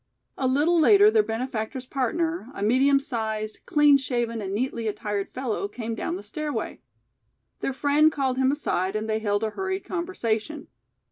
A little later their benefactor's partner, a medium sized, clean shaven and neatly attired fellow, came down the stairway. Their friend called him aside and they held a hurried conversation.